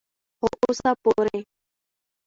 خو اوسه پورې